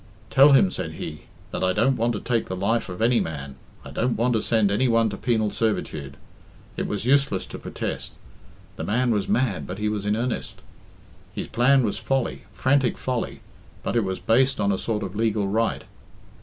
"'Tell him,' said he, 'that I don't want to take the life of any man I don't want to send any one to penal servitude.'" It was useless to protest. The man was mad, but he was in earnest. His plan was folly frantic folly but it was based on a sort of legal right.